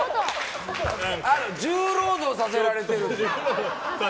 重労働させられてる。